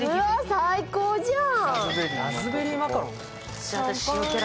最高じゃん！